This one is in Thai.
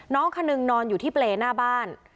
น้องคนนึงนอนอยู่ที่เปรย์หน้าบ้าน